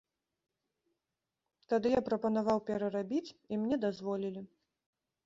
Тады я прапанаваў перарабіць, і мне дазволілі.